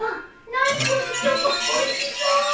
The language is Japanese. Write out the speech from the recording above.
何このチョコおいしそ！